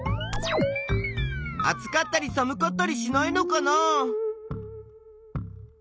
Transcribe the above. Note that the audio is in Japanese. あつかったりさむかったりしないのかな？